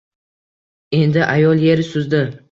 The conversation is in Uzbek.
Endi… Ayol yer suzdi